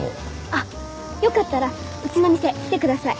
あっよかったらうちの店来てください